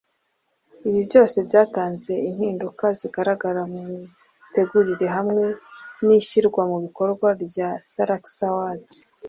Ibi byose byatanze impinduka zigaragara mu mitegurire hamwe n’ishyirwa mu bikorwa rya “Salax Awards”